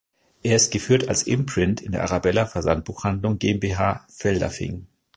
Er ist geführt als Imprint in der Arabella-Versandbuchhandlung GmbH, Feldafing.